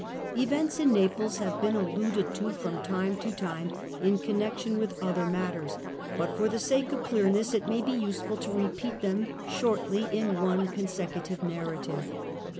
Events in Naples have been alluded to from time to time in connection with other matters ; but for the sake History or of clearness it may be useful to repeat them shortly in ^''^pies one consecutive narrative.